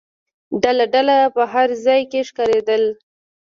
ډله ډله په هر ځای کې ښکارېدل.